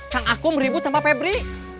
kang aku meribut sama pebri